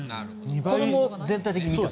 これも全体的に見たら？